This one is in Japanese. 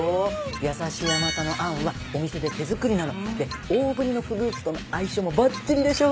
優しい甘さのあんはお店で手作りなの。で大ぶりのフルーツとの相性もばっちりでしょ？